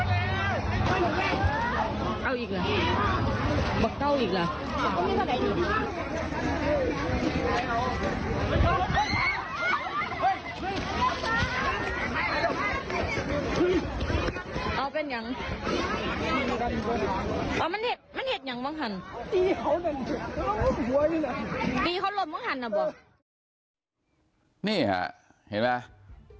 ตีเขาลมบ้างคันอ่ะบอกนี่ฮะเห็นไหม